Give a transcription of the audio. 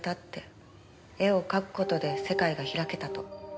絵を描く事で世界が開けたと。